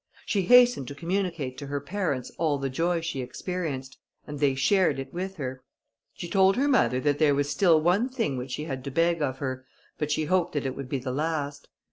She hastened to communicate to her parents all the joy she experienced, and they shared it with her. She told her mother that there was still one thing which she had to beg of her, but she hoped that it would be the last.